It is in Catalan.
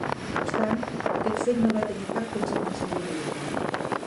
No obstant, aquest fet no va tenir cap conseqüència jurídica.